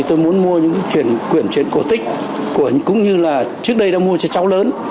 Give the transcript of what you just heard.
tôi muốn mua những chuyện quyển chuyện cổ tích cũng như là trước đây đã mua cho cháu lớn